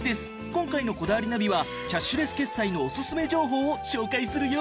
今回の『こだわりナビ』はキャッシュレス決済のオススメ情報を紹介するよ！